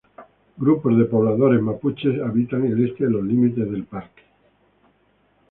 Grupos de pobladores mapuches habitan al este de los límites del parque.